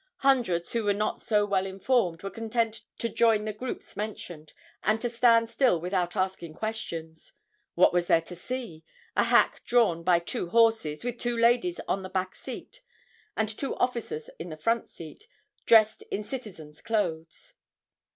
Hundreds who were not so well informed were content to join the groups mentioned, and to stand still without asking questions. What was there to see? A hack drawn by two horses, with two ladies on the back seat and two officers in the front seat, dressed in citizen's clothes.